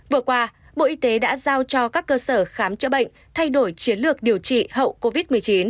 vừa qua bộ y tế đã giao cho các cơ sở khám chữa bệnh thay đổi chiến lược điều trị hậu covid một mươi chín